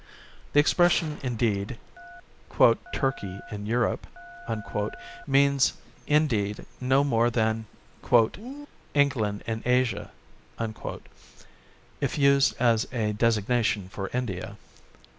The expression indeed, 'Turkey in Europe' means indeed no more than 'England in Asia,' if used as a designation for India....